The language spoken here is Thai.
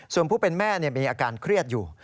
ส่วนผู้เป็นแม่มีอาการเครียดอยู่